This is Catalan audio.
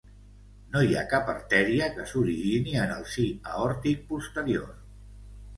No hi ha cap artèria que s'origini en el si aòrtic posterior.